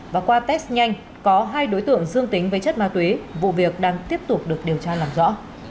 và qua test nhanh có hai đối tượng dương tính với chất ma túy vụ việc đang tiếp tục được điều tra làm rõ